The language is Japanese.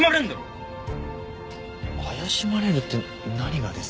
怪しまれるって何がです？